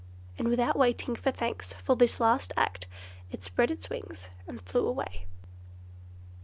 And without waiting for thanks for this last kind act, it spread its wings and flew away.